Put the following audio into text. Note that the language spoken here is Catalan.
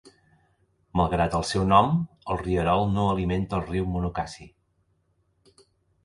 Malgrat el seu nom, el rierol no alimenta el riu Monocacy.